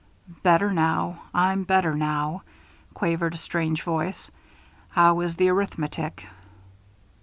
"Better now I'm better now," quavered a strange voice. "How is the arithmetic?"